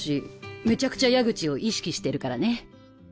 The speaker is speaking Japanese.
めちゃくちゃ矢口を意識してるからね。